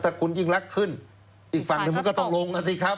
ถ้าคุณยิ่งรักขึ้นอีกฝั่งหนึ่งมันก็ต้องลงอ่ะสิครับ